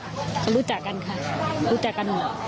เขารู้จักกันค่ะรู้จักกันหมด